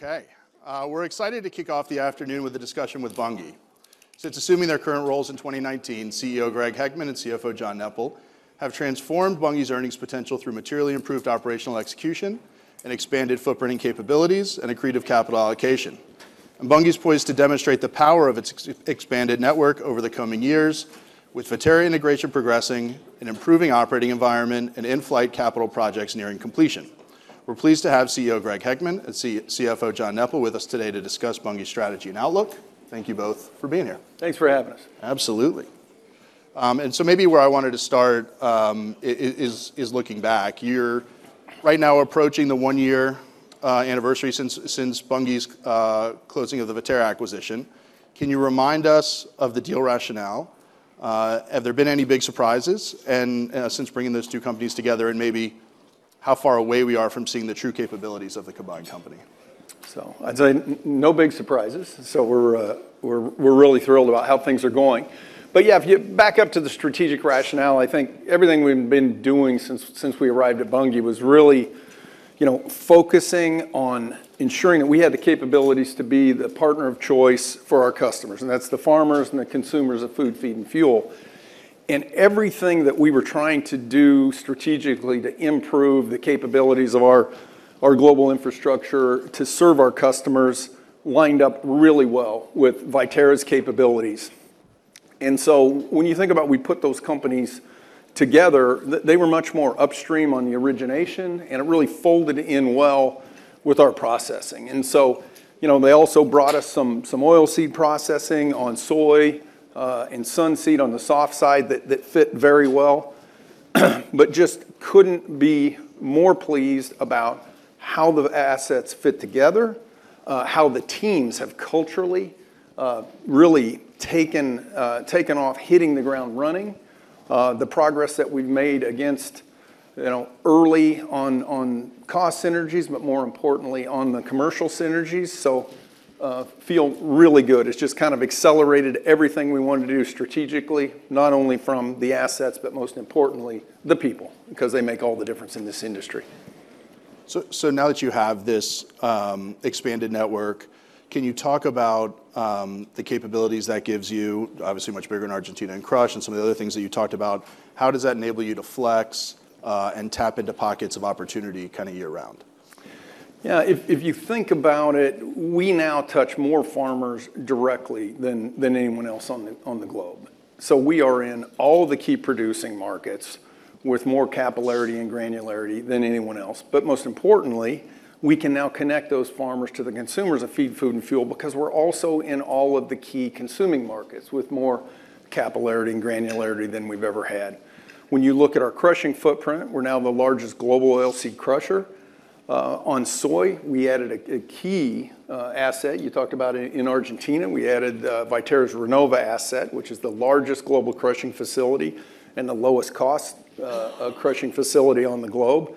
Okay. We're excited to kick off the afternoon with a discussion with Bunge. Since assuming their current roles in 2019, CEO Greg Heckman and CFO John Neppl have transformed Bunge's earnings potential through materially improved operational execution and expanded footprinting capabilities and accretive capital allocation. Bunge's poised to demonstrate the power of its expanded network over the coming years, with Viterra integration progressing, an improving operating environment, and in-flight capital projects nearing completion. We're pleased to have CEO Greg Heckman and CFO John Neppl with us today to discuss Bunge's strategy and outlook. Thank you both for being here. Thanks for having us. Absolutely. Maybe where I wanted to start, is looking back. You're right now approaching the one-year anniversary since Bunge's closing of the Viterra acquisition. Can you remind us of the deal rationale? Have there been any big surprises? Since bringing those two companies together, and maybe how far away we are from seeing the true capabilities of the combined company? I'd say no big surprises, so we're really thrilled about how things are going. Yeah, if you back up to the strategic rationale, I think everything we've been doing since we arrived at Bunge was really, you know, focusing on ensuring that we had the capabilities to be the partner of choice for our customers, and that's the farmers and the consumers of food, feed, and fuel. Everything that we were trying to do strategically to improve the capabilities of our global infrastructure to serve our customers lined up really well with Viterra's capabilities. When you think about we put those companies together, they were much more upstream on the origination, and it really folded in well with our processing. You know, they also brought us some oilseed processing on soy and sunseed on the soft seed that fit very well. Just couldn't be more pleased about how the assets fit together, how the teams have culturally really taken off, hitting the ground running. The progress that we've made against, you know, early on cost synergies, but more importantly, on the commercial synergies. Feel really good. It's just kind of accelerated everything we want to do strategically, not only from the assets, but most importantly, the people, because they make all the difference in this industry. Now that you have this expanded network, can you talk about the capabilities that gives you? Obviously, much bigger in Argentina and crush and some of the other things that you talked about. How does that enable you to flex and tap into pockets of opportunity kinda year-round? If you think about it, we now touch more farmers directly than anyone else on the globe. We are in all the key producing markets with more capillarity and granularity than anyone else. Most importantly, we can now connect those farmers to the consumers of feed, food, and fuel because we're also in all of the key consuming markets with more capillarity and granularity than we've ever had. When you look at our crushing footprint, we're now the largest global oilseed crusher. On soy, we added a key asset, you talked about in Argentina. We added Viterra's Renova asset, which is the largest global crushing facility and the lowest cost crushing facility on the globe.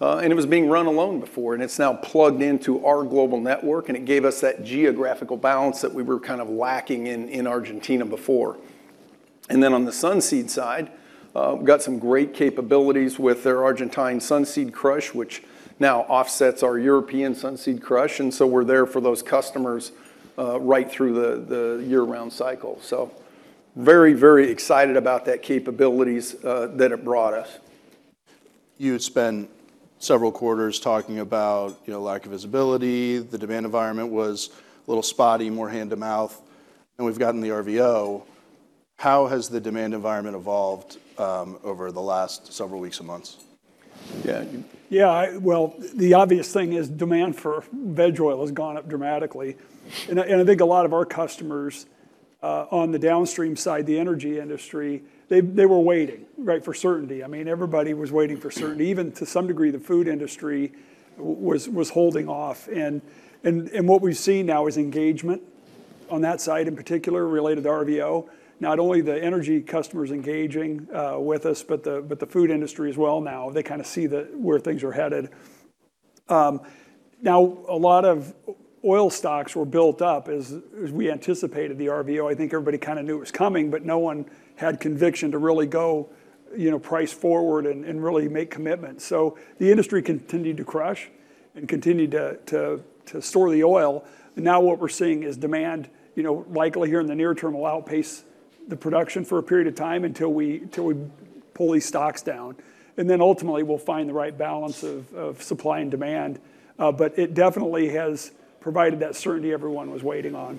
It was being run alone before, and it's now plugged into our global network, and it gave us that geographical balance that we were kind of lacking in Argentina before. On the sunseed side, we've got some great capabilities with their Argentine sunseed crush, which now offsets our European sunseed crush, and so we're there for those customers right through the year-round cycle. Very, very excited about that capabilities that it brought us. You had spent several quarters talking about, you know, lack of visibility, the demand environment was a little spotty, more hand to mouth. We've gotten the RVO. How has the demand environment evolved over the last several weeks and months? Yeah. Well, the obvious thing is demand for veg oil has gone up dramatically. I think a lot of our customers on the downstream side, the energy industry, they were waiting, right, for certainty. I mean, everybody was waiting for certainty. Even to some degree, the food industry was holding off. What we've seen now is engagement on that side, in particular related to RVO. Not only the energy customers engaging with us, but the food industry as well now. They kinda see where things are headed. Now, a lot of oil stocks were built up as we anticipated the RVO. I think everybody kinda knew it was coming, but no one had conviction to really go, you know, price forward and really make commitments. The industry continued to crush and continued to store the oil. What we're seeing is demand, you know, likely here in the near term, will outpace the production for a period of time until we pull these stocks down. Ultimately, we'll find the right balance of supply and demand. It definitely has provided that certainty everyone was waiting on.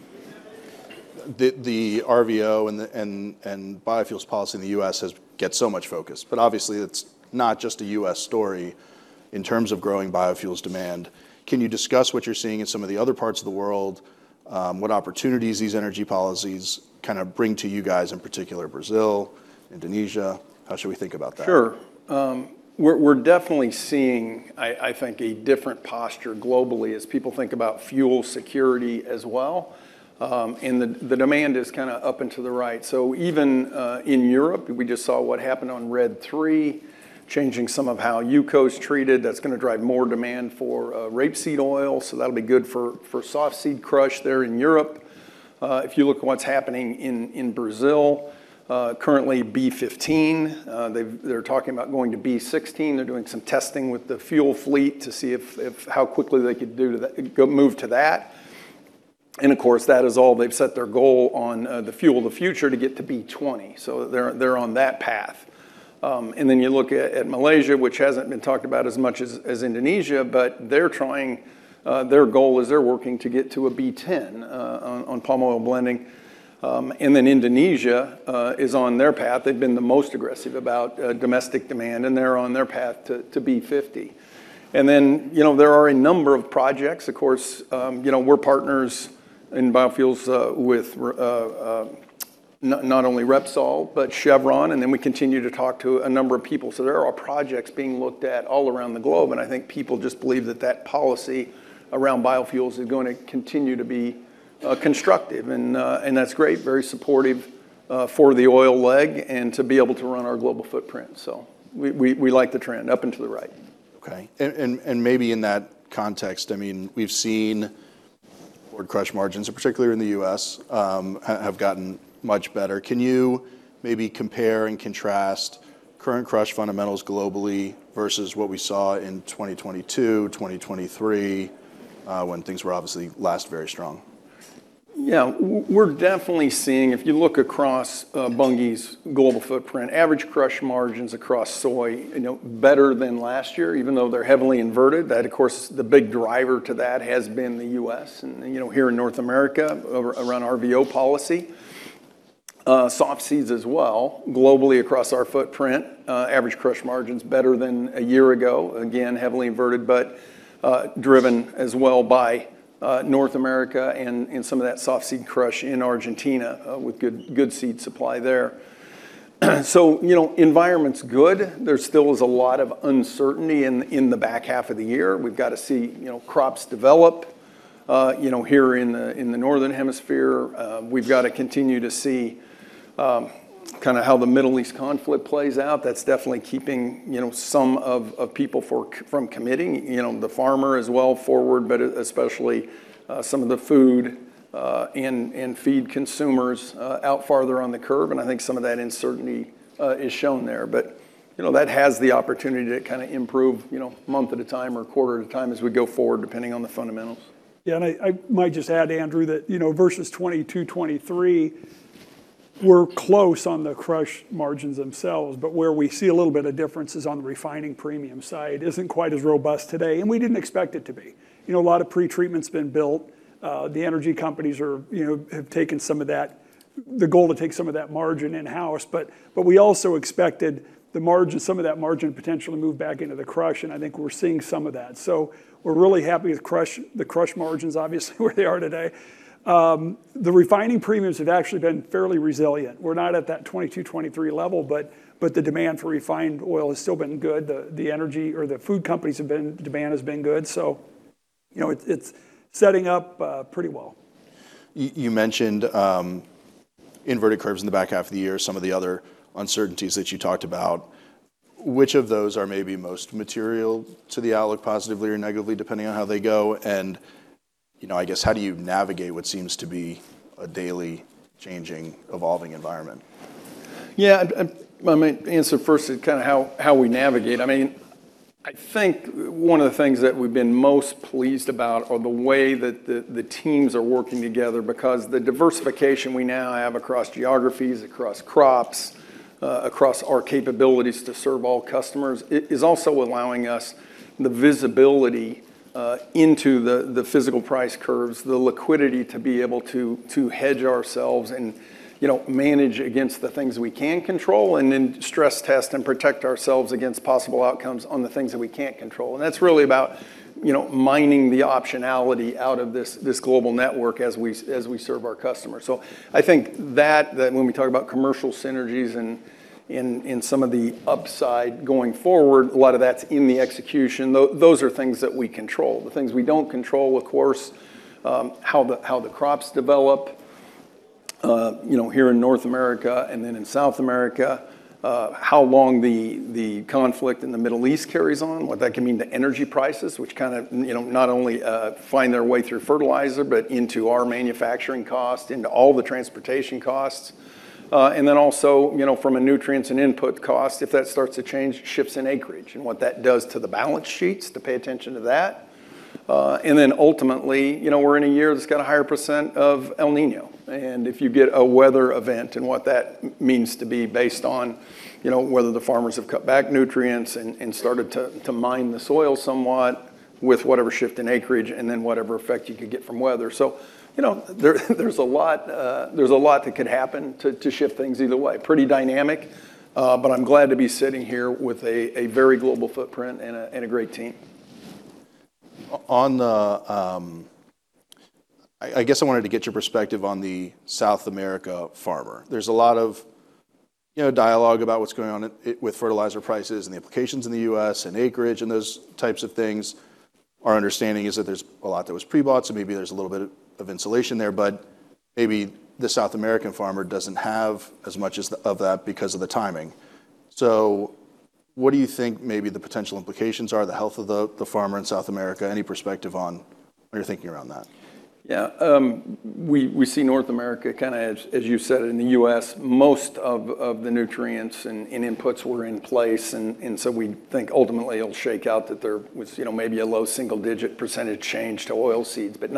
The RVO and the biofuels policy in the U.S. gets so much focus. Obviously, it's not just a U.S. story in terms of growing biofuels demand. Can you discuss what you're seeing in some of the other parts of the world? What opportunities these energy policies kinda bring to you guys, in particular Brazil, Indonesia? How should we think about that? Sure. We're definitely seeing, I think, a different posture globally as people think about fuel security as well. The demand is kinda up and to the right. Even in Europe, we just saw what happened on RED III, changing some of how UCO treated. That's gonna drive more demand for rapeseed oil, so that'll be good for soft seed crush there in Europe. If you look at what's happening in Brazil, currently B15, they're talking about going to B16. They're doing some testing with the fuel fleet to see if how quickly they could do that, move to that. Of course, that is all they've set their goal on, the fuel of the future to get to B20. They're on that path. You look at Malaysia, which hasn't been talked about as much as Indonesia, but they're trying, their goal is they're working to get to a B10 on palm oil blending. Indonesia is on their path. They've been the most aggressive about domestic demand, and they're on their path to B50. You know, there are a number of projects. Of course, you know, we're partners in biofuels with not only Repsol, but Chevron, and then we continue to talk to a number of people. There are projects being looked at all around the globe, and I think people just believe that that policy around biofuels is gonna continue to be constructive. That's great, very supportive for the oil leg and to be able to run our global footprint. We like the trend up and to the right. Okay. Maybe in that context, I mean, we've seen where crush margins, and particularly in the U.S., have gotten much better. Can you maybe compare and contrast current crush fundamentals globally versus what we saw in 2022, 2023, when things were obviously last very strong? Yeah. We're definitely seeing, if you look across Bunge's global footprint, average crush margins across soy, you know, better than last year, even though they're heavily inverted. That, of course, the big driver to that has been the U.S. and, you know, here in North America, around RVO policy. Soft seeds as well. Globally across our footprint, average crush margin's better than a year ago. Again, heavily inverted, but driven as well by North America and some of that soft seed crush in Argentina, with good seed supply there. You know, environment's good. There still is a lot of uncertainty in the back half of the year. We've got to see, you know, crops develop, you know, here in the Northern Hemisphere. We've got to continue to see, kinda how the Middle East conflict plays out. That's definitely keeping, you know, some of people from committing. You know, the farmer as well forward, but especially, some of the food and feed consumers, out farther on the curve, and I think some of that uncertainty, is shown there. You know, that has the opportunity to kinda improve, you know, month at a time or quarter at a time as we go forward, depending on the fundamentals. I might just add, Andrew, that, you know, versus 2022, 2023, we're close on the crush margins themselves. Where we see a little bit of difference is on the refining premium side. Isn't quite as robust today, and we didn't expect it to be. You know, a lot of pre-treatment has been built. The energy companies, you know, have taken some of that, the goal to take some of that margin in-house. We also expected the margin, some of that margin potentially move back into the crush, and I think we're seeing some of that. We're really happy with the crush margins, obviously, where they are today. The refining premiums have actually been fairly resilient. We're not at that 2022, 2023 level. The demand for refined oil has still been good. The energy or the food companies, demand has been good. You know, it's setting up pretty well. You mentioned inverted curves in the back half of the year, some of the other uncertainties that you talked about. Which of those are maybe most material to the outlook, positively or negatively, depending on how they go? You know, I guess, how do you navigate what seems to be a daily changing, evolving environment? Yeah. I might answer first kind of how we navigate. I mean, I think one of the things that we've been most pleased about are the way that the teams are working together, because the diversification we now have across geographies, across crops, across our capabilities to serve all customers, it is also allowing us the visibility into the physical price curves, the liquidity to be able to hedge ourselves and, you know, manage against the things we can control, and then stress test and protect ourselves against possible outcomes on the things that we can't control. That's really about, you know, mining the optionality out of this global network as we serve our customers. I think that when we talk about commercial synergies and in some of the upside going forward, a lot of that's in the execution. Those are things that we control. The things we don't control, of course, how the, how the crops develop, you know, here in North America and then in South America. How long the conflict in the Middle East carries on, what that can mean to energy prices, which kinda, you know, not only find their way through fertilizer, but into our manufacturing cost, into all the transportation costs. Also, you know, from a nutrients and input cost, if that starts to change, shifts in acreage, and what that does to the balance sheets to pay attention to that. Ultimately, you know, we're in a year that's got a higher percent of El Niño, and if you get a weather event and what that means to be based on, you know, whether the farmers have cut back nutrients and started to mine the soil somewhat with whatever shift in acreage and then whatever effect you could get from weather. You know, there's a lot that could happen to shift things either way. Pretty dynamic, I'm glad to be sitting here with a very global footprint and a great team. On the, I guess I wanted to get your perspective on the South America farmer. There's a lot of, you know, dialogue about what's going on with fertilizer prices and the applications in the U.S. and acreage and those types of things. Our understanding is that there's a lot that was pre-bought, maybe there's a little bit of insulation there. Maybe the South American farmer doesn't have as much of that because of the timing. What do you think maybe the potential implications are, the health of the farmer in South America? Any perspective on your thinking around that? Yeah. We see North America kind of as you said, in the U.S., most of the nutrients and inputs were in place, and we think ultimately it'll shake out that there was, you know, maybe a low single-digit percentage change to oil seeds, but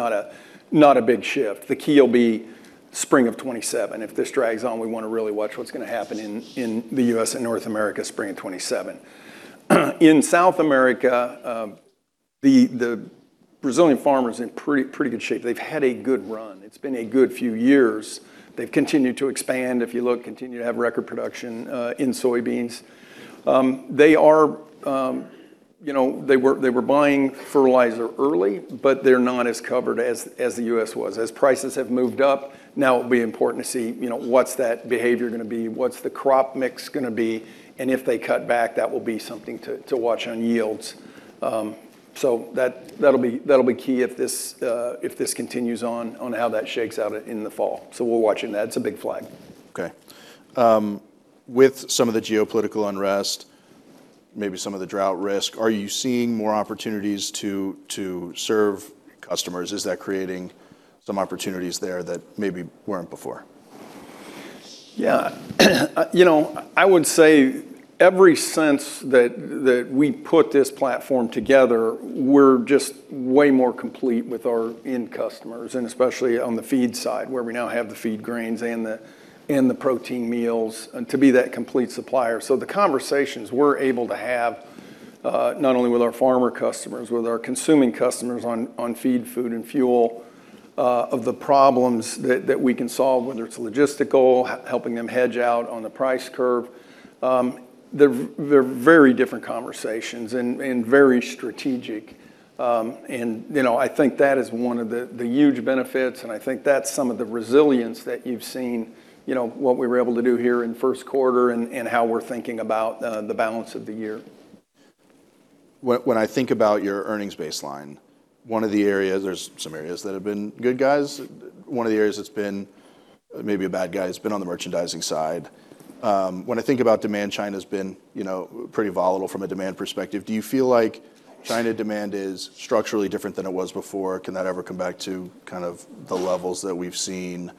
not a big shift. The key'll be spring of 2027. If this drags on, we want to really watch what's going to happen in the U.S. and North America spring of 2027. In South America, the Brazilian farmer's in pretty good shape. They've had a good run. It's been a good few years. They've continued to expand, if you look, continued to have record production in soybeans. They are, you know, they were buying fertilizer early, they're not as covered as the U.S. was. As prices have moved up, now it'll be important to see, you know, what's that behavior gonna be, what's the crop mix gonna be, and if they cut back, that will be something to watch on yields. That'll be key if this, if this continues on how that shakes out in the fall. We're watching that. It's a big flag. Okay. With some of the geopolitical unrest, maybe some of the drought risk, are you seeing more opportunities to serve customers? Is that creating some opportunities there that maybe weren't before? Yeah. You know, I would say every sense that we put this platform together, we're just way more complete with our end customers, and especially on the feed side, where we now have the feed grains and the protein meals, and to be that complete supplier. The conversations we're able to have, not only with our farmer customers, with our consuming customers on feed, food, and fuel, of the problems that we can solve, whether it's logistical, helping them hedge out on the price curve, they're very different conversations and very strategic. You know, I think that is one of the huge benefits, and I think that's some of the resilience that you've seen, you know, what we were able to do here in first quarter and how we're thinking about, the balance of the year. When I think about your earnings baseline, there's some areas that have been good guys. One of the areas that's been maybe a bad guy has been on the merchandising side. When I think about demand, China's been, you know, pretty volatile from a demand perspective. Do you feel like China demand is structurally different than it was before? Can that ever come back to kind of the levels that we've seen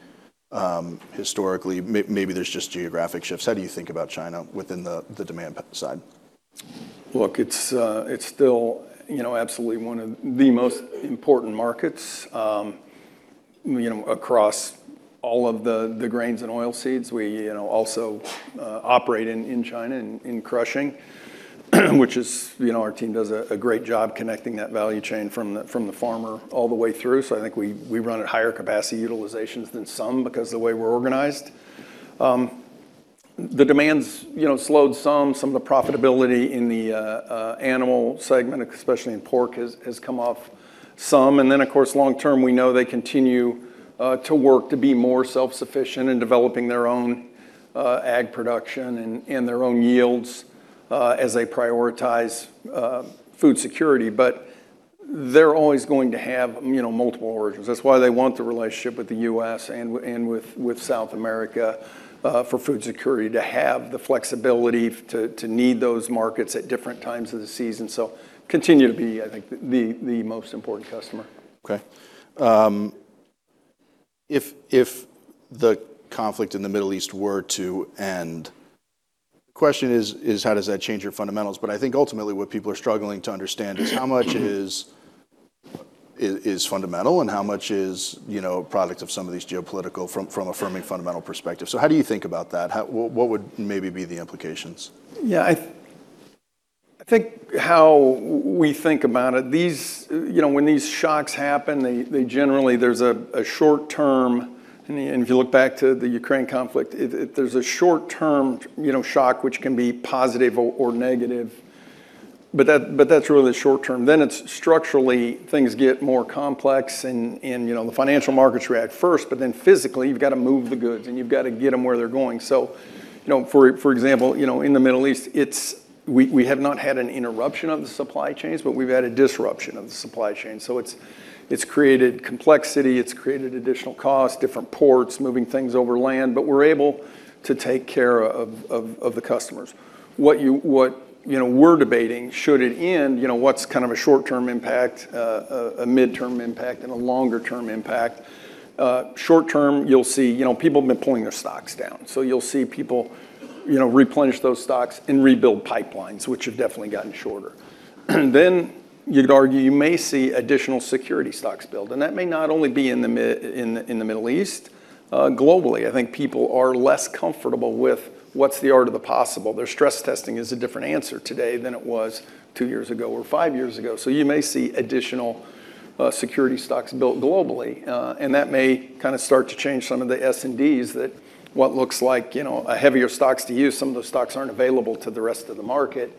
historically? Maybe there's just geographic shifts. How do you think about China within the demand side? Look, it's still, you know, absolutely one of the most important markets, you know, across all of the grains and oilseeds. We, you know, also operate in China in crushing, which is, you know, our team does a great job connecting that value chain from the farmer all the way through. I think we run at higher capacity utilizations than some because of the way we're organized. The demand's, you know, slowed some. Some of the profitability in the animal segment, especially in pork, has come off some. Of course, long-term, we know they continue to work to be more self-sufficient in developing their own ag production and their own yields as they prioritize food security. They're always going to have, you know, multiple origins. That's why they want the relationship with the U.S. and with South America, for food security, to have the flexibility to need those markets at different times of the season. Continue to be, I think, the most important customer. Okay. If the conflict in the Middle East were to end, question is how does that change your fundamentals? I think ultimately what people are struggling to understand is how much is fundamental and how much is, you know, a product of some of these geopolitical from a firmly fundamental perspective. How do you think about that? What would maybe be the implications? Yeah. I think how we think about it, these, you know, when these shocks happen, they generally, there's a short term. If you look back to the Ukraine conflict, there's a short-term, you know, shock which can be positive or negative. That's really the short term. It's structurally things get more complex and, you know, the financial markets react first, physically you've gotta move the goods and you've gotta get them where they're going. You know, for example, you know, in the Middle East, we have not had an interruption of the supply chains, but we've had a disruption of the supply chain. It's created complexity, it's created additional costs, different ports, moving things over land, but we're able to take care of the customers. You know, we're debating should it end, you know, what's kind of a short-term impact, a mid-term impact, and a longer-term impact. Short term, you'll see, you know, people have been pulling their stocks down. You'll see people, you know, replenish those stocks and rebuild pipelines, which have definitely gotten shorter. You'd argue you may see additional security stocks build, and that may not only be in the Middle East. Globally, I think people are less comfortable with what's the art of the possible. Their stress testing is a different answer today than it was two years ago or five years ago. You may see additional security stocks built globally, and that may start to change some of the S&Ds that what looks like heavier stocks to you, some of those stocks aren't available to the rest of the market.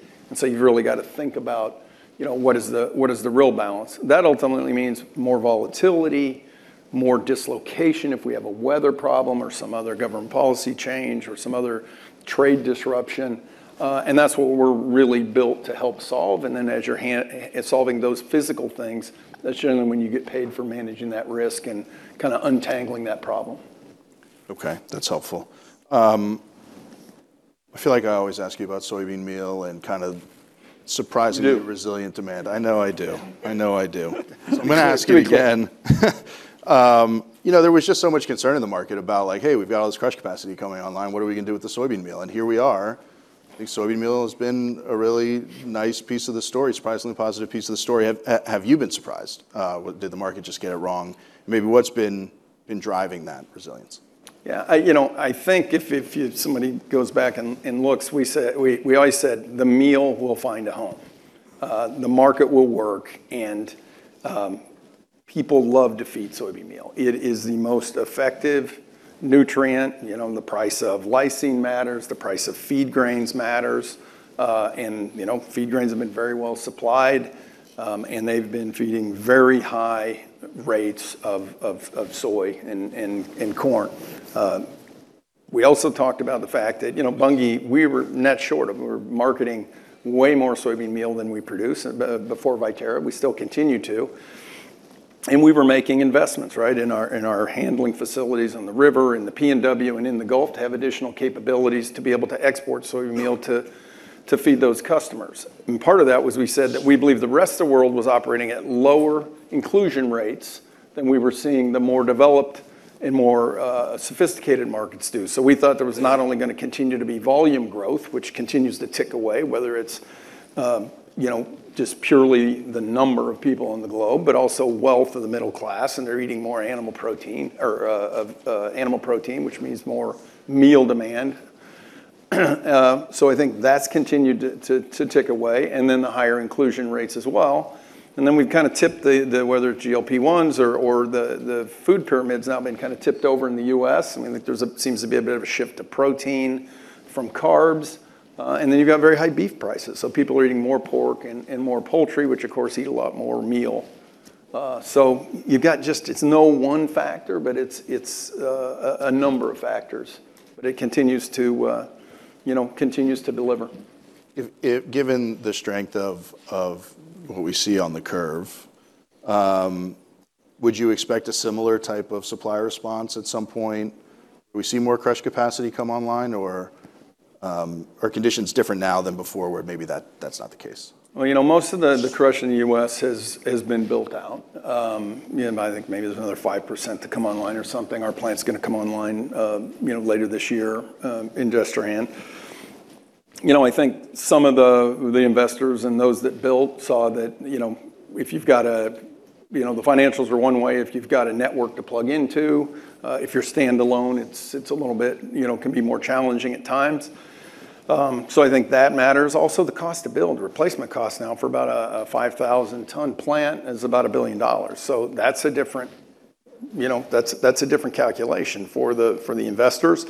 You've really gotta think about what is the, what is the real balance. That ultimately means more volatility, more dislocation if we have a weather problem or some other government policy change or some other trade disruption. That's what we're really built to help solve. As you're solving those physical things, that's generally when you get paid for managing that risk and untangling that problem. Okay, that's helpful. I feel like I always ask you about soybean meal. You do. resilient demand. I know I do. I know I do. I'm going to ask you again. You know, there was just so much concern in the market about, like, "Hey, we've got all this crush capacity coming online. What are we going to do with the soybean meal?" Here we are. I think soybean meal has been a really nice piece of the story, surprisingly positive piece of the story. Have you been surprised? Did the market just get it wrong? Maybe what's been driving that resilience? I, you know, I think if somebody goes back and looks, we always said the meal will find a home. The market will work, people love to feed soybean meal. It is the most effective nutrient. You know, the price of lysine matters, the price of feed grains matters. You know, feed grains have been very well supplied, and they've been feeding very high rates of soy and corn. We also talked about the fact that, you know, Bunge, we were net short. We were marketing way more soybean meal than we produce before Viterra. We still continue to. We were making investments in our handling facilities on the river, in the PNW, and in the Gulf to have additional capabilities to be able to export soybean meal to feed those customers. Part of that was we said that we believe the rest of the world was operating at lower inclusion rates than we were seeing the more developed and more sophisticated markets do. We thought there was not only going to continue to be volume growth, which continues to tick away, whether it's, you know, just purely the number of people on the globe, but also wealth of the middle class, and they're eating more animal protein, which means more meal demand. I think that's continued to tick away, and then the higher inclusion rates as well. We've kinda tipped the, whether it's GLP-1s or the food pyramid's now been kinda tipped over in the U.S. I mean, like, there's a seems to be a bit of a shift to protein from carbs. You've got very high beef prices, so people are eating more pork and more poultry, which of course eat a lot more meal. You've got just, it's no one factor, but it's a number of factors. It continues to, you know, continues to deliver. If given the strength of what we see on the curve, would you expect a similar type of supply response at some point? Do we see more crush capacity come online, or are conditions different now than before where maybe that's not the case? Well, you know, most of the crush in the U.S. has been built out. I think maybe there's another 5% to come online or something. Our plant's gonna come online later this year in Destrehan. I think some of the investors and those that built saw that the financials are one way if you've got a network to plug into. If you're standalone, it's a little bit, can be more challenging at times. I think that matters. Also, the cost to build. Replacement cost now for about a 5,000 ton plant is about $1 billion. That's a different, that's a different calculation for the investors.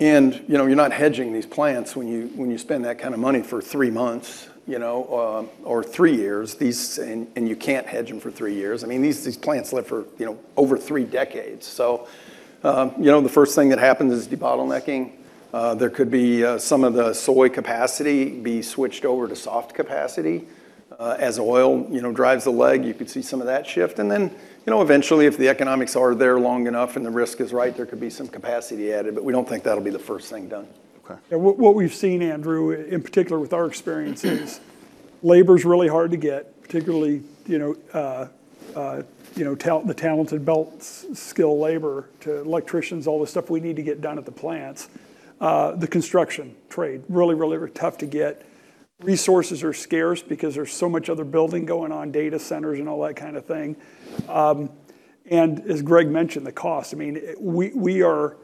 You're not hedging these plants when you spend that kind of money for three months, you know, or three years. You can't hedge them for three years. I mean, these plants live for, you know, over three decades. The first thing that happens is debottlenecking. There could be some of the soy capacity be switched over to soft capacity. As oil, you know, drives the leg, you could see some of that shift. Eventually, you know, if the economics are there long enough and the risk is right, there could be some capacity added, but we don't think that'll be the first thing done. Okay. What we've seen, Andrew, in particular with our experience is labor's really hard to get, particularly, the talented belt skill labor to electricians, all the stuff we need to get done at the plants. The construction trade, really tough to get. Resources are scarce because there's so much other building going on, data centers and all that kind of thing. As Greg mentioned, the cost. I mean, we are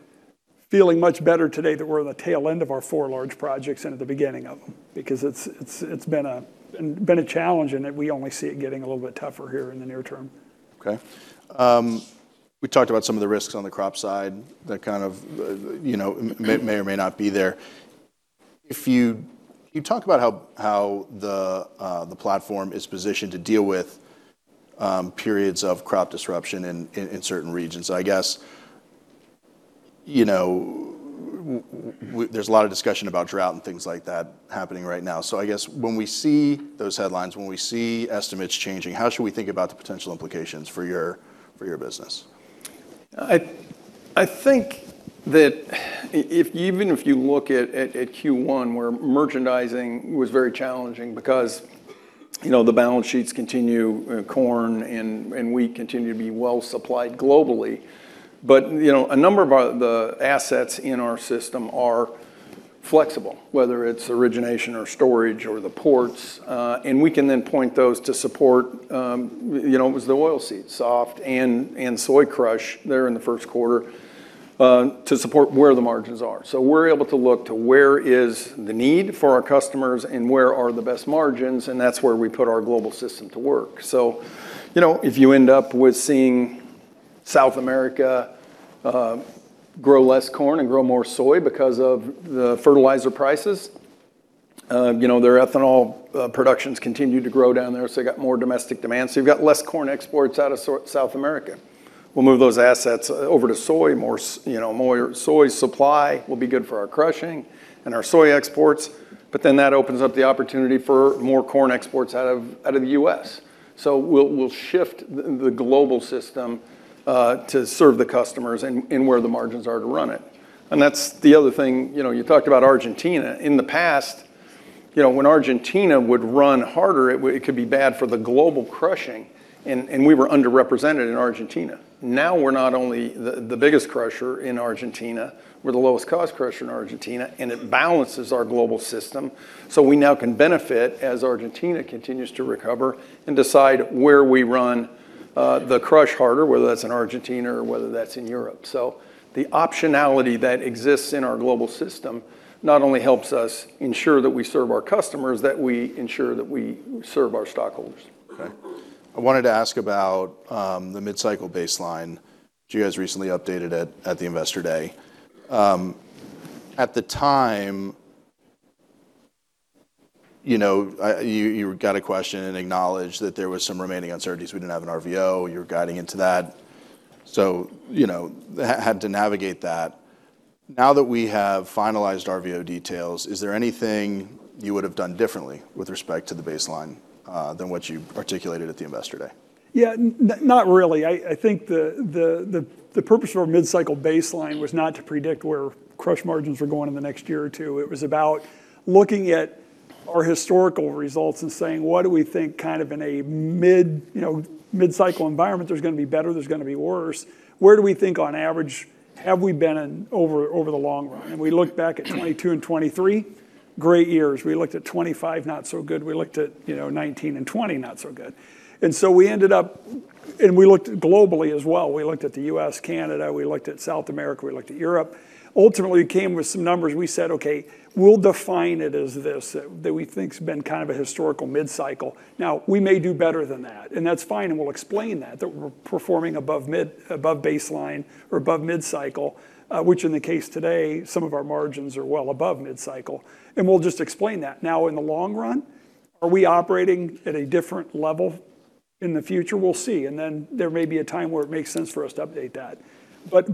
feeling much better today that we're on the tail end of our four large projects than at the beginning of them because it's been a challenge and that we only see it getting a little bit tougher here in the near term. Okay. We talked about some of the risks on the crop side that kind of, you know, may or may not be there. You talked about how the platform is positioned to deal with periods of crop disruption in certain regions. I guess, you know, there's a lot of discussion about drought and things like that happening right now. I guess when we see those headlines, when we see estimates changing, how should we think about the potential implications for your business? I think that if, even if you look at Q1, where merchandising was very challenging because, you know, the balance sheets continue, corn and wheat continue to be well supplied globally. You know, a number of our, the assets in our system are flexible, whether it's origination or storage or the ports. We can then point those to support, you know, it was the oilseeds, soft seed and soy crush margin there in the first quarter, to support where the margins are. We're able to look to where is the need for our customers and where are the best margins, that's where we put our global system to work. If you end up with seeing South America grow less corn and grow more soy because of the fertilizer prices, you know, their ethanol production's continued to grow down there, so they got more domestic demand. You've got less corn exports out of South America. We'll move those assets over to soy, you know, more soy supply will be good for our crushing and our soy exports, that opens up the opportunity for more corn exports out of the U.S. We'll shift the global system to serve the customers and where the margins are to run it. That's the other thing. You know, you talked about Argentina. In the past, you know, when Argentina would run harder, it could be bad for the global crushing, and we were underrepresented in Argentina. Now we're not only the biggest crusher in Argentina, we're the lowest cost crusher in Argentina, and it balances our global system, so we now can benefit as Argentina continues to recover and decide where we run the crush harder, whether that's in Argentina or whether that's in Europe. The optionality that exists in our global system not only helps us ensure that we serve our customers, that we ensure that we serve our stockholders. Okay. I wanted to ask about the mid-cycle baseline you guys recently updated at the Investor Day. At the time, you know, you got a question and acknowledged that there was some remaining uncertainties. We didn't have an RVO. You were guiding into that, you know, had to navigate that. Now that we have finalized RVO details, is there anything you would have done differently with respect to the baseline than what you articulated at the Investor Day? Yeah. Not really. I think the purpose of our mid-cycle baseline was not to predict where crush margins were going in the next year or two. It was about looking at our historical results and saying, "What do we think kind of in a mid, you know, mid-cycle environment? There's gonna be better, there's gonna be worse. Where do we think on average have we been in over the long run?" We looked back at 2022 and 2023, great years. We looked at 2025, not so good. We looked at, you know, 2019 and 2020, not so good. So we ended up. We looked globally as well. We looked at the U.S., Canada, we looked at South America, we looked at Europe. We ultimately came with some numbers. We said, "Okay, we'll define it as this," that we think's been kind of a historical mid-cycle. We may do better than that, and that's fine, and we'll explain that we're performing above mid, above baseline or above mid-cycle, which in the case today, some of our margins are well above mid-cycle, and we'll just explain that. In the long run, are we operating at a different level in the future? We'll see. There may be a time where it makes sense for us to update that.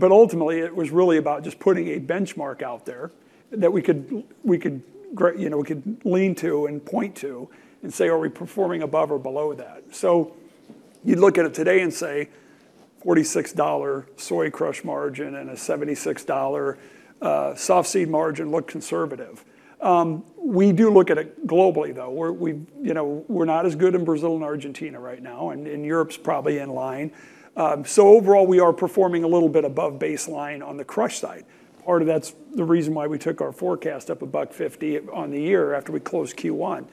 Ultimately, it was really about just putting a benchmark out there that we could, you know, we could lean to and point to and say, "Are we performing above or below that?" You look at it today and say $46 soy crush margin and a $76 soft seed margin look conservative. We do look at it globally, though, where we've, you know, we're not as good in Brazil and Argentina right now, and Europe's probably in line. Overall, we are performing a little bit above baseline on the crush side. Part of that's the reason why we took our forecast up $1.50 on the year after we closed Q1.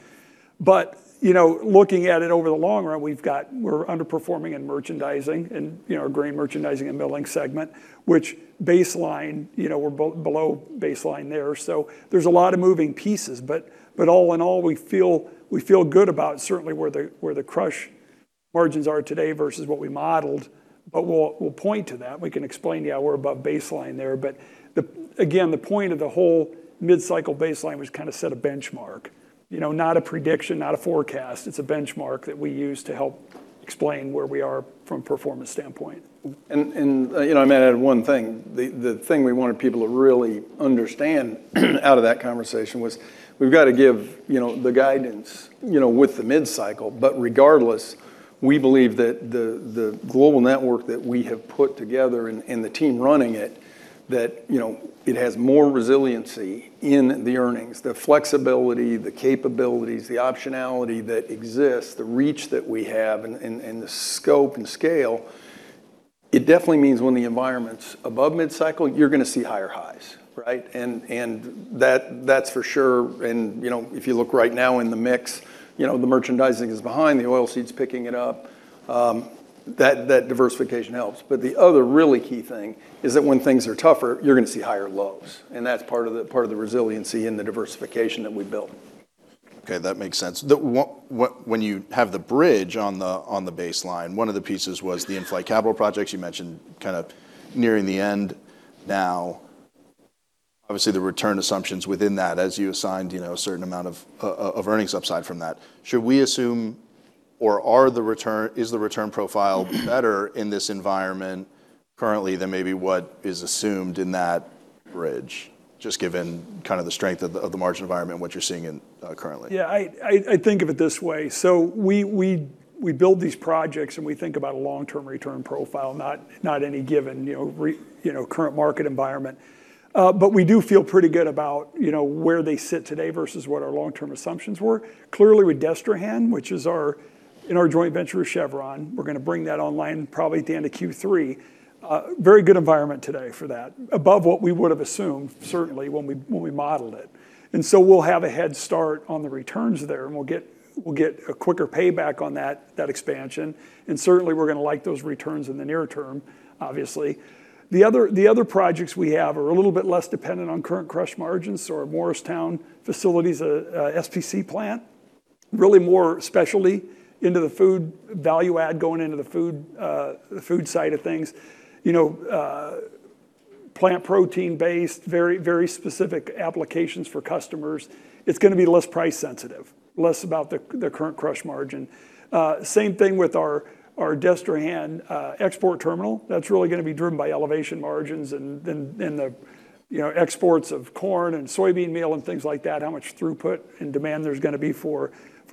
You know, looking at it over the long run, we're underperforming in merchandising and, you know, our grain merchandising and milling segment, which baseline, you know, we're below baseline there. There's a lot of moving pieces, but all in all, we feel good about certainly where the crush margins are today versus what we modeled, but we'll point to that. We can explain, yeah, we're above baseline there. The, again, the point of the whole mid-cycle baseline was kinda set a benchmark, you know, not a prediction, not a forecast. It's a benchmark that we use to help explain where we are from a performance standpoint. You know, I'm gonna add one thing. The thing we wanted people to really understand out of that conversation was we've got to give, you know, the guidance, you know, with the mid-cycle. Regardless, we believe that the global network that we have put together and the team running it, that, you know, it has more resiliency in the earnings, the flexibility, the capabilities, the optionality that exists, the reach that we have and the scope and scale. It definitely means when the environment's above mid-cycle, you're gonna see higher highs, right? That's for sure. You know, if you look right now in the mix, you know, the merchandising is behind, the oil seed's picking it up. That diversification helps. The other really key thing is that when things are tougher, you're gonna see higher lows, and that's part of the resiliency and the diversification that we built. Okay, that makes sense. The when you have the bridge on the, on the baseline, one of the pieces was the in-flight capital projects you mentioned kind of nearing the end now. Obviously, the return assumptions within that as you assigned, you know, a certain amount of earnings upside from that. Should we assume or are the return, is the return profile better in this environment currently than maybe what is assumed in that bridge, just given kinda the strength of the margin environment, what you're seeing in currently? I think of it this way. We build these projects and we think about a long-term return profile, not any given, you know, current market environment. We do feel pretty good about, you know, where they sit today versus what our long-term assumptions were. Clearly with Destrehan, which is our, in our joint venture with Chevron, we're gonna bring that online probably at the end of Q3. Very good environment today for that. Above what we would have assumed certainly when we modeled it. We'll have a head start on the returns there, and we'll get a quicker payback on that expansion, and certainly we're gonna like those returns in the near term, obviously. The other projects we have are a little bit less dependent on current crush margins. Our Morristown facility is a SPC plant, really more specialty into the food value add going into the food, the food side of things. You know, plant protein-based, very specific applications for customers. It's gonna be less price sensitive, less about the current crush margin. Same thing with our Destrehan export terminal. That's really gonna be driven by elevation margins and then the, you know, exports of corn and soybean meal and things like that, how much throughput and demand there's gonna be for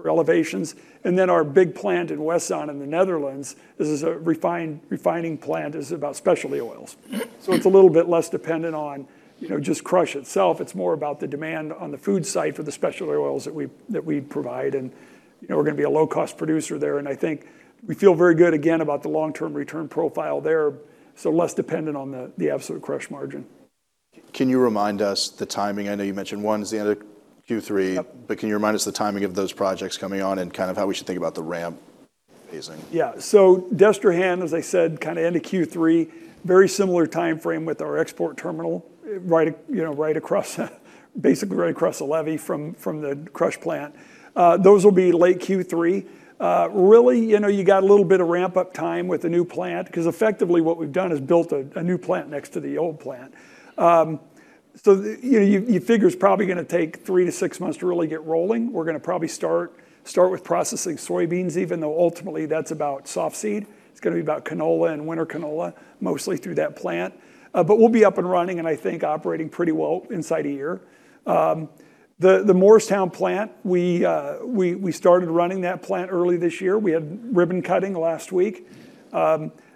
elevations. Our big plant in Wormerveer in the Netherlands, this is a refining plant, it's about specialty oils. It's a little bit less dependent on, you know, just crush itself. It's more about the demand on the food side for the specialty oils that we provide, you know, we're gonna be a low-cost producer there. I think we feel very good again about the long-term return profile there, less dependent on the absolute crush margin. Can you remind us the timing? I know you mentioned one's the end of Q3. Yep. Can you remind us the timing of those projects coming on and kind of how we should think about the ramp phasing? Yeah. Destrehan, as I said, kinda end of Q3. Very similar timeframe with our export terminal, right, you know, right across, basically right across the levee from the crush plant. Those will be late Q3. Really, you know, you got a little bit of ramp-up time with the new plant, 'cause effectively what we've done is built a new plant next to the old plant. You figure it's probably gonna take three to six months to really get rolling. We're gonna probably start with processing soybeans even though ultimately that's about soft seed. It's gonna be about canola and winter canola mostly through that plant. We'll be up and running, and I think operating pretty well inside a year. The Morristown plant, we started running that plant early this year. We had ribbon-cutting last week.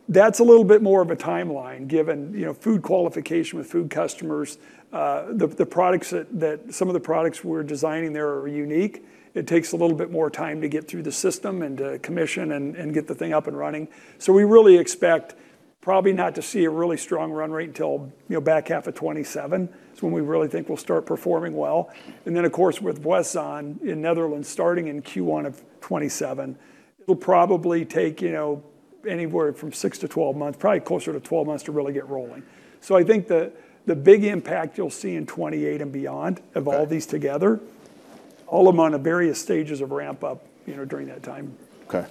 That's a little bit more of a timeline given, you know, food qualification with food customers. The products that Some of the products we're designing there are unique. It takes a little bit more time to get through the system and commission and get the thing up and running. We really expect probably not to see a really strong run rate until, you know, back half of 2027. It's when we really think we'll start performing well. Of course with [Zaan] in Netherlands starting in Q1 of 2027, it'll probably take, you know, anywhere from six to 12 months, probably closer to 12 months to really get rolling. I think the big impact you'll see in 2028 and beyond. Okay of all these together, all of them on the various stages of ramp-up, you know, during that time. Okay.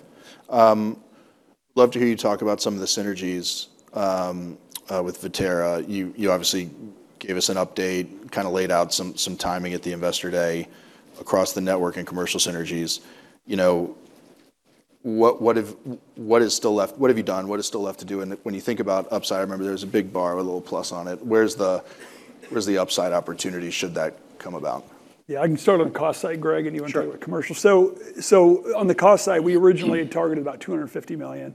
love to hear you talk about some of the synergies with Viterra. You, you obviously gave us an update, kinda laid out some timing at the Investor Day across the network and commercial synergies. You know, what have, what is still left? What have you done? What is still left to do? When you think about upside, I remember there was a big bar with a little plus on it. Where's the upside opportunity should that come about? I can start on the cost side, Greg. Sure You went through the commercial. On the cost side, we originally targeted about $250 million.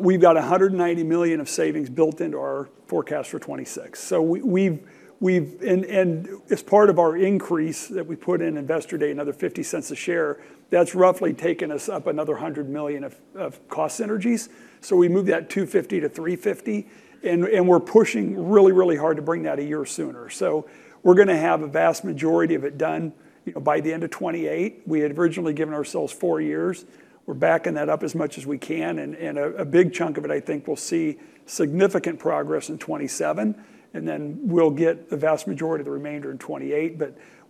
We've got $190 million of savings built into our forecast for 2026. As part of our increase that we put in Investor Day, another $0.50 a share, that's roughly taken us up another $100 million of cost synergies. We moved that $250 million-$350 million, and we're pushing hard to bring that a year sooner. We're gonna have a vast majority of it done, you know, by the end of 2028. We had originally given ourselves four years. We're backing that up as much as we can, and a big chunk of it I think will see significant progress in 2027, and then we'll get the vast majority of the remainder in 2028.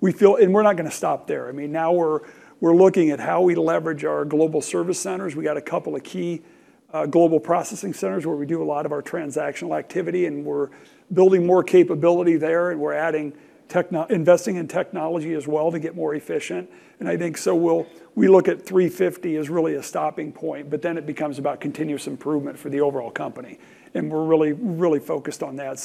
We feel. We're not gonna stop there. I mean, now we're looking at how we leverage our global service centers. We got a couple of key global processing centers where we do a lot of our transactional activity, and we're building more capability there, and we're investing in technology as well to get more efficient. I think, We look at 350 as really a stopping point, it becomes about continuous improvement for the overall company, and we're really focused on that.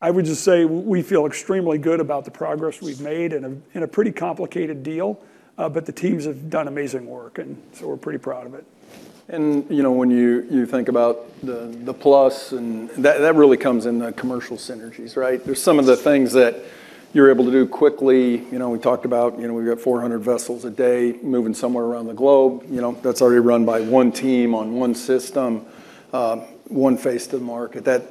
I would just say we feel extremely good about the progress we've made in a pretty complicated deal. The teams have done amazing work. We're pretty proud of it. You know, when you think about the plus and That really comes in the commercial synergies, right? Yes. There's some of the things that you're able to do quickly. You know, we talked about, you know, we've got 400 vessels a day moving somewhere around the globe. You know, that's already run by one team on one system, one face to the market. That,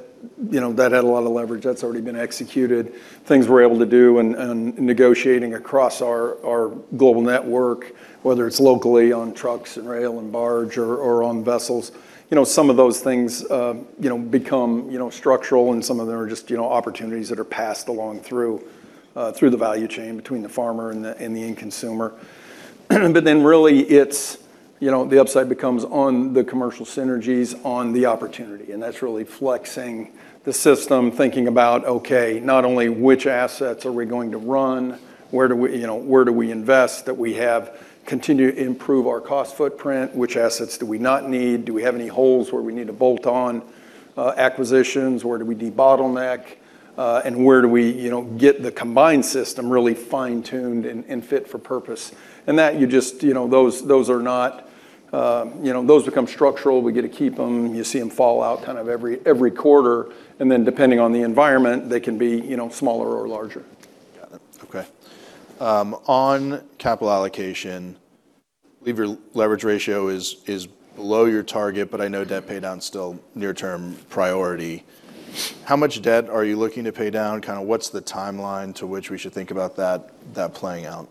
you know, that had a lot of leverage. That's already been executed. Things we're able to do and negotiating across our global network, whether it's locally on trucks and rail and barge or on vessels. You know, some of those things, you know, become, you know, structural and some of them are just, you know, opportunities that are passed along through the value chain between the farmer and the, and the end consumer. Then really it's, you know, the upside becomes on the commercial synergies on the opportunity, and that's really flexing the system, thinking about, okay, not only which assets are we going to run, where do we, you know, where do we invest that we have, continue to improve our cost footprint. Which assets do we not need? Do we have any holes where we need to bolt on acquisitions? Where do we debottleneck? And where do we, you know, get the combined system really fine-tuned and fit for purpose? That you just, you know, those are not, you know, those become structural. We get to keep them. You see them fall out kind of every quarter. Then depending on the environment, they can be, you know, smaller or larger. Got it. Okay. On capital allocation, leverage ratio is below your target. I know debt paydown's still near-term priority. How much debt are you looking to pay down? Kinda what's the timeline to which we should think about that playing out?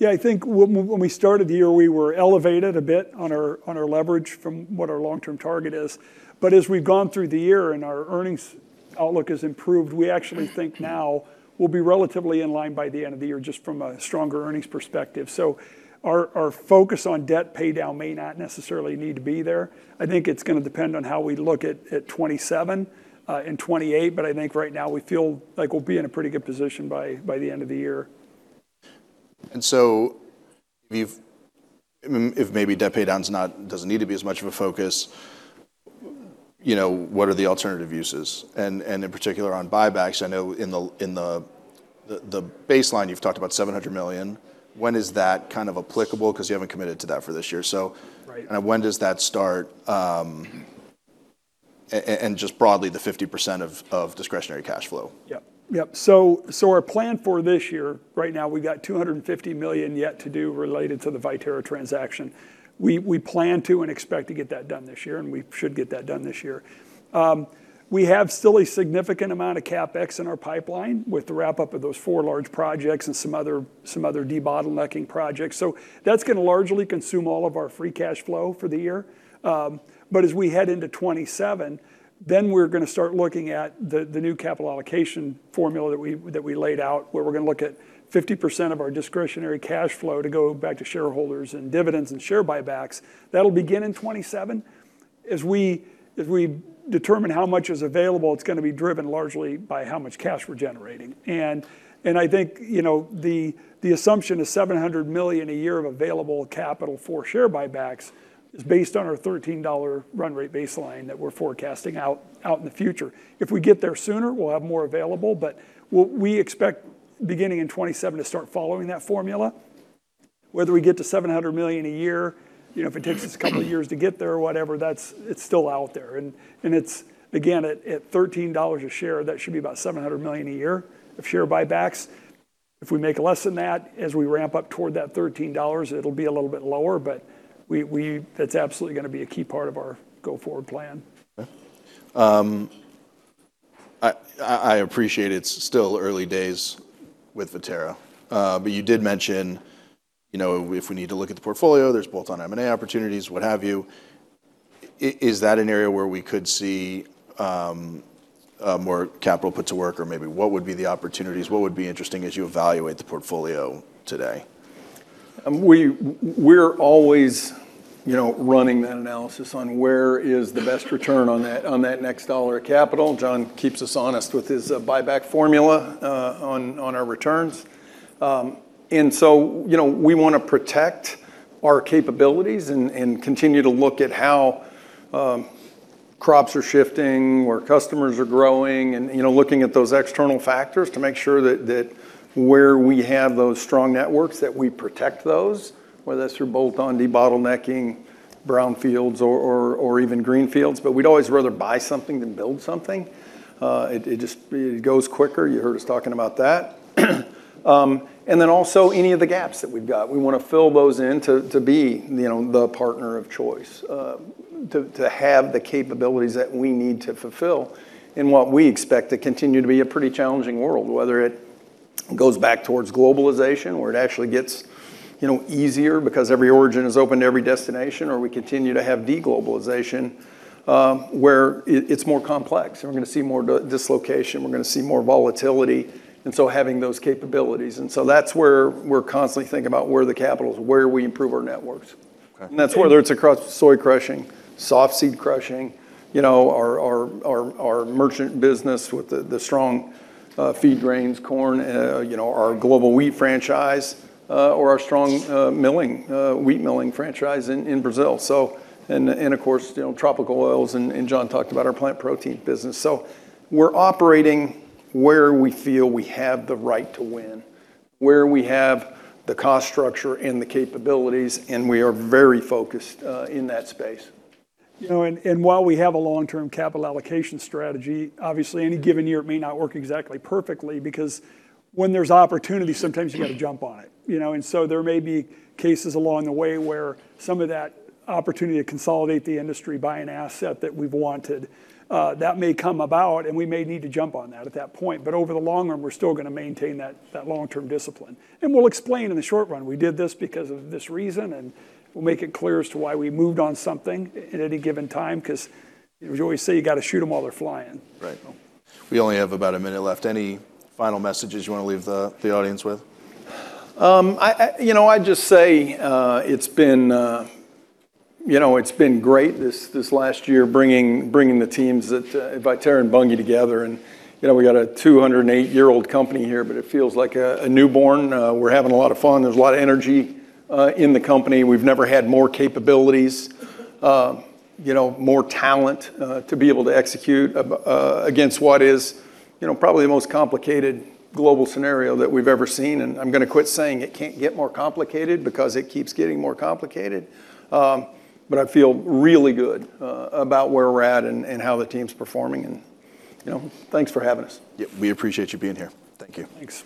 Yeah. I think when we started the year, we were elevated a bit on our, on our leverage from what our long-term target is. As we've gone through the year and our earnings outlook has improved, we actually think now we'll be relatively in line by the end of the year just from a stronger earnings perspective. Our, our focus on debt paydown may not necessarily need to be there. I think it's gonna depend on how we look at 2027 and 2028, but I think right now we feel like we'll be in a pretty good position by the end of the year. If maybe debt paydown's not, doesn't need to be as much of a focus, you know, what are the alternative uses? In particular on buybacks, I know in the baseline you've talked about $700 million. When is that kind of applicable? 'Cause you haven't committed to that for this year. Right When does that start, and just broadly, the 50% of discretionary cash flow. Yep, yep. Our plan for this year, right now we've got $250 million yet to do related to the Viterra transaction. We plan to and expect to get that done this year, and we should get that done this year. We have still a significant amount of CapEx in our pipeline with the wrap-up of those four large projects and some other debottlenecking projects. That's gonna largely consume all of our free cash flow for the year. As we head into 2027, we're gonna start looking at the new capital allocation formula that we laid out, where we're gonna look at 50% of our discretionary cash flow to go back to shareholders in dividends and share buybacks. That'll begin in 2027. As we determine how much is available, it's gonna be driven largely by how much cash we're generating. I think, you know, the assumption is $700 million a year of available capital for share buybacks is based on our $13 run rate baseline that we're forecasting out in the future. If we get there sooner, we'll have more available. What we expect beginning in 2027 to start following that formula, whether we get to $700 million a year, you know, if it takes us a couple of years to get there or whatever, that's it's still out there. It's again, at $13 a share, that should be about $700 million a year of share buybacks. If we make less than that as we ramp up toward that $13, it'll be a little bit lower, but we that's absolutely gonna be a key part of our go-forward plan. Yeah. I appreciate it's still early days with Viterra. You did mention, you know, if we need to look at the portfolio, there's bolt-on M&A opportunities, what have you. Is that an area where we could see more capital put to work? Maybe what would be the opportunities? What would be interesting as you evaluate the portfolio today? We're always, you know, running that analysis on where is the best return on that next dollar of capital. John keeps us honest with his buyback formula on our returns. You know, we wanna protect our capabilities and continue to look at how crops are shifting, where customers are growing and, you know, looking at those external factors to make sure that where we have those strong networks, that we protect those, whether that's through bolt-on, debottlenecking, brownfields or even greenfields. We'd always rather buy something than build something. It just goes quicker. You heard us talking about that. And then also any of the gaps that we've got, we wanna fill those in to be, you know, the partner of choice, to have the capabilities that we need to fulfill in what we expect to continue to be a pretty challenging world, whether it goes back towards globalization, where it actually gets, you know, easier because every origin is open to every destination, or we continue to have de-globalization, where it's more complex and we're gonna see more dislocation, we're gonna see more volatility. Having those capabilities. That's where we're constantly thinking about where the capital is, where we improve our networks. Okay. That's whether it's across soy crushing, softseed crushing, you know, our merchant business with the strong feed grains, corn, you know, our global wheat franchise, or our strong milling, wheat milling franchise in Brazil. And of course, you know, tropical oils and John talked about our plant protein business. We're operating where we feel we have the right to win, where we have the cost structure and the capabilities, and we are very focused in that space. You know, and while we have a long-term capital allocation strategy, obviously any given year it may not work exactly perfectly because when there's opportunity, sometimes you gotta jump on it, you know. There may be cases along the way where some of that opportunity to consolidate the industry, buy an asset that we've wanted, that may come about and we may need to jump on that at that point. Over the long run, we're still gonna maintain that long-term discipline. We'll explain in the short run, we did this because of this reason, and we'll make it clear as to why we moved on something at any given time, 'cause as you always say, you gotta shoot them while they're flying. Right. We only have about a minute left. Any final messages you wanna leave the audience with? I, you know, I'd just say, it's been, you know, it's been great this last year bringing the teams at Viterra and Bunge together and, you know, we got a 208-year-old company here, but it feels like a newborn. We're having a lot of fun. There's a lot of energy in the company. We've never had more capabilities, you know, more talent to be able to execute against what is, you know, probably the most complicated global scenario that we've ever seen. I'm gonna quit saying it can't get more complicated because it keeps getting more complicated. But I feel really good about where we're at and how the team's performing and, you know, thanks for having us. Yeah, we appreciate you being here. Thank you. Thanks.